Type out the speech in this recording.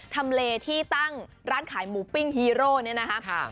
ทำเลที่ตั้งร้านขายหมูปิ้งฮีโร่เนี่ยนะครับ